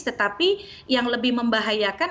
tetapi yang lebih membahayakan